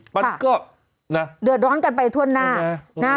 ปั๊ดก็เดือดร้้าฮั้งกันไปถ้วนหน้า